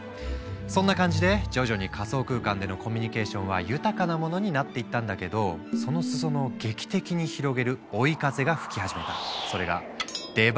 そんな感じで徐々に仮想空間でのコミュニケーションは豊かなものになっていったんだけどその裾野を劇的に広げる追い風が吹き始めた。